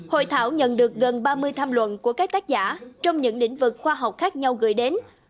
hội thảo nhận được gần ba mươi tham luận của các tác giả trong những lĩnh vực khoa học khác nhau gửi đến